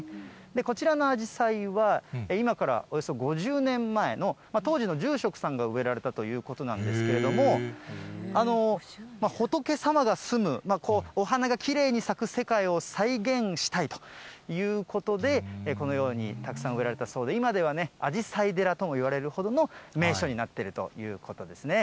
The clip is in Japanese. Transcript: こちらのあじさいは、今からおよそ５０年前の当時の住職さんが植えられたということなんですけれども、仏さまが住む、お花がきれいに咲く世界を再現したいということで、このようにたくさん植えられたそうで、今では、あじさい寺ともいわれるほどの名所になっているということですね。